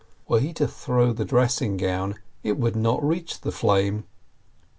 Were he to throw the dressing gown, it would not reach the flame.